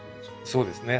そうですね。